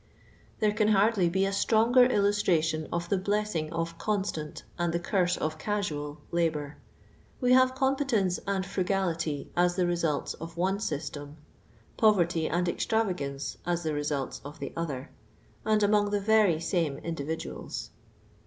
There c in hardly be a J^tronirer illustration of the ble.^siif^ of coii^tant and tin; curse of casual la ' hour. Wi; have conipetenc: and frugality ai the result.'* of one system; p»V"»r:y and extravagance " as the re uits of the other; and among the very same indivi.iuals.